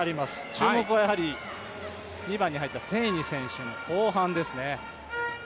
注目は２番に入ったセイニ選手の後半ですね。